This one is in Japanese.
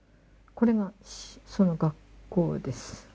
これがその学校です。